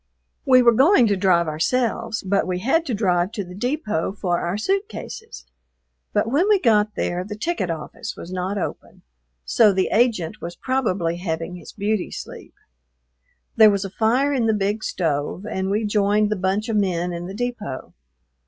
We were going to drive ourselves, but we had to drive to the depot for our suit cases; but when we got there the ticket office was not open, so the agent was probably having his beauty sleep. There was a fire in the big stove, and we joined the bunch of men in the depot.